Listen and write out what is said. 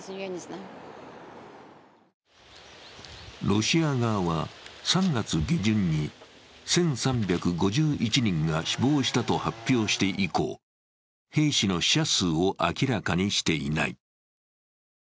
ロシア側は、３月下旬に１３５１人が死亡したと発表して以降、兵士の死者数を明らかにしていない。